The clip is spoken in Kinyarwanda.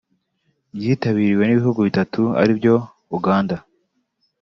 ryitabiriwe n’ibihugu bitatu ari byo Uganda